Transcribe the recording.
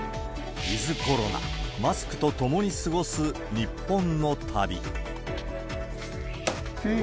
ウィズコロナ、マスクと共に過ごす日本の旅。